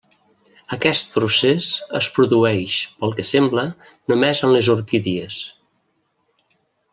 Aquest procés es produeix, pel que sembla, només en les orquídies.